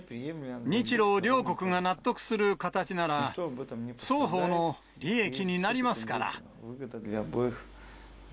日ロ両国が納得する形なら、双方の利益になりますから。